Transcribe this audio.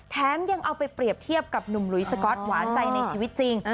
ยังเอาไปเปรียบเทียบกับหนุ่มหลุยสก๊อตหวานใจในชีวิตจริง